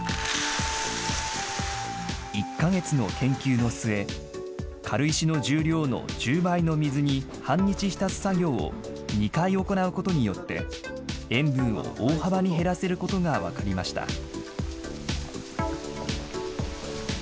１か月の研究の末、軽石の重量の１０倍の水に半日浸す作業を２回行うことによって、塩分を大幅に減らせることが分かりました。